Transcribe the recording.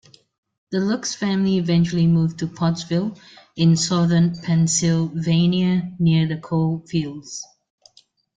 The Luks family eventually moved to Pottsville, in southern Pennsylvania near the coal fields.